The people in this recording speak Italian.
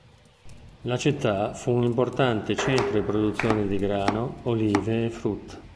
La città fu un importante centro di produzione di grano, olive e frutta.